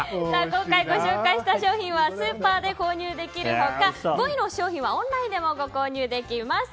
今回ご紹介した商品はスーパーで購入できる他５位の商品はオンラインでもご購入できます。